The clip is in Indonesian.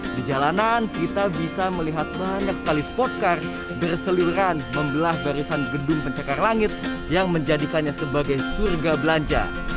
di jalanan kita bisa melihat banyak sekali spot car berseluruhan membelah barisan gedung pencekar langit yang menjadikannya sebagai surga belanja